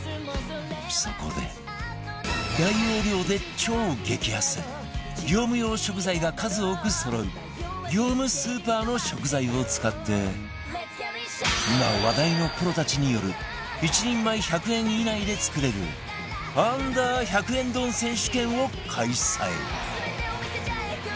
そこで大容量で超激安業務用食材が数多くそろう業務スーパーの食材を使って今話題のプロたちによる１人前１００円以内で作れる Ｕ−１００ 円丼選手権を開催